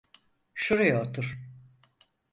Şuraya otur.